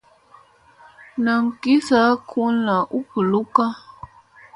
Nam gik saa kulna u bulukka.